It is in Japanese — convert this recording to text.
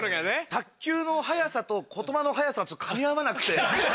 卓球の速さと言葉の速さがかみ合わなくて。